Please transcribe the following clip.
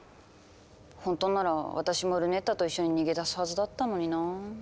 ほんとなら私もルネッタと一緒に逃げ出すはずだったのにな。